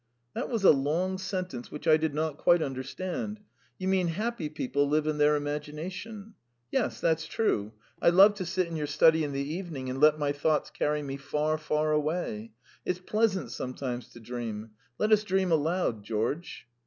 "That was a long sentence which I did not quite understand. You mean happy people live in their imagination. Yes, that's true. I love to sit in your study in the evening and let my thoughts carry me far, far away. ... It's pleasant sometimes to dream. Let us dream aloud, George."